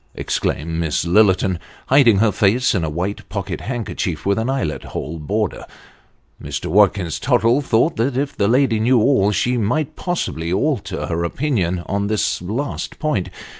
" exclaimed Miss Lillerton, hiding her face in a white pocket handkerchief with an eyelet hole border. Mr. Watkins Tottle thought that if the lady knew all, she might possibly alter her opinion on this last point.